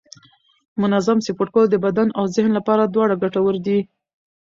منظم سپورت کول د بدن او ذهن لپاره دواړه ګټور دي